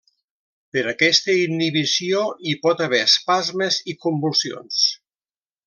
Per aquesta inhibició hi pot haver espasmes i convulsions.